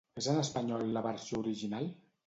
És en espanyol la versió original?